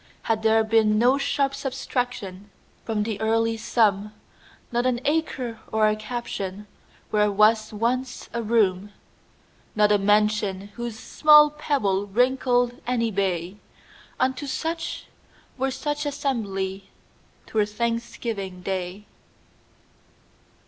Had there been no sharp subtractionFrom the early sum, Not an acre or a captionWhere was once a room, Not a mention, whose small pebbleWrinkled any bay,—Unto such, were such assembly,'T were Thanksgiving day.